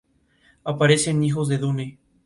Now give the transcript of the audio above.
Aparece en Hijos de Dune.